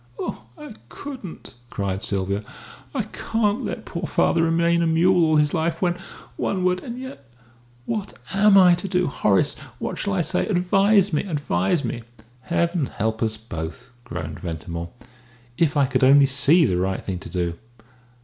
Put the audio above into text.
"Oh, I couldn't!" cried Sylvia. "I can't let poor father remain a mule all his life when one word and yet what am I to do? Horace, what shall I say? Advise me.... Advise me!" "Heaven help us both!" groaned Ventimore. "If I could only see the right thing to do.